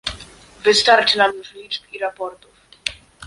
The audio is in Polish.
Wystarczy nam już liczb i raportów